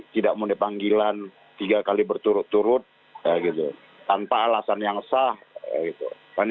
tidak mau dipanggilan tiga kali berturut turut ya gitu tanpa alasan yang sah ya gitu